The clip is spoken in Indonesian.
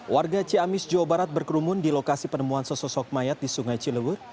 warga ciamis jawa barat berkerumun di lokasi penemuan sesosok mayat di sungai cilewur